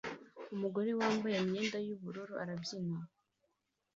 Umugore wambaye imyenda yubururu arabyina